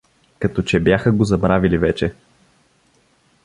Като че бяха го забравили вече.